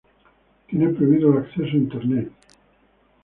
Tiene prohibido el acceso a Internet.